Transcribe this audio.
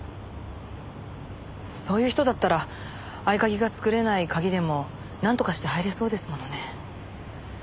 そういう人だったら合鍵が作れない鍵でもなんとかして入れそうですものね。